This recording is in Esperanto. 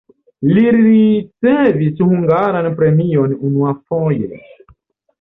Li ricevis hungaran premion unuafoje.